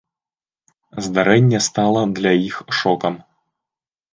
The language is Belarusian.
Здарэнне стала для іх шокам.